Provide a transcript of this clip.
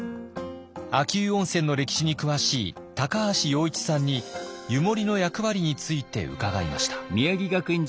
秋保温泉の歴史に詳しい高橋陽一さんに湯守の役割について伺いました。